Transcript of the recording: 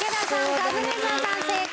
カズレーザーさん正解。